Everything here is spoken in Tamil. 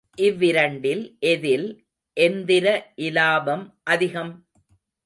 இவ்விரண்டில் எதில் எந்திர இலாபம் அதிகம்?